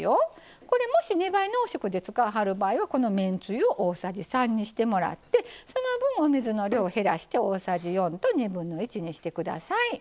これもし２倍濃縮で使わはる場合はこのめんつゆを大さじ３にしてもらってその分お水の量を減らして大さじ４1/2にして下さい。